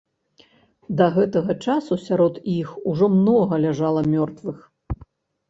Да гэтага часу сярод іх ужо многа ляжала мёртвых.